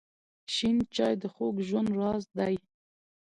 شین چای د خوږ ژوند راز دی.